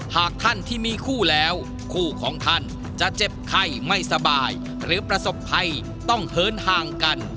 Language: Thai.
หากท่านที่มีคู่แล้วคู่ของท่านจะเจ็บไข้ไม่สบายหรือประสบภัยต้องเหินห่างกัน